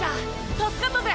助かったぜ。